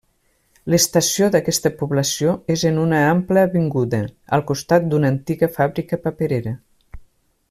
L'estació d'aquesta població és en una ampla avinguda, al costat d'una antiga fàbrica paperera.